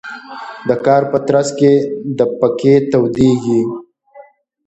د کار په ترڅ کې د پکې تودیږي.